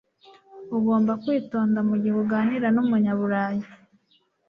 Ugomba kwitonda mugihe uganira numunyaburayi.